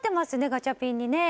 ガチャピンにね。